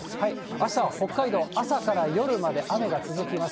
あしたは北海道、朝から夜まで雨が続きます。